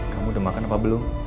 kamu udah makan apa belum